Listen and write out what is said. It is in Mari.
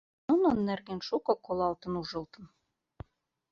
Нунын нерген шуко колалтын, ужылтын.